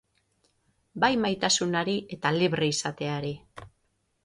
Bai maitasunari eta libre izateari.